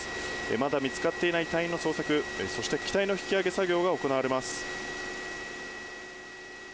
まだ見つかっていない隊員の捜索機体の引き揚げ作業が行われます。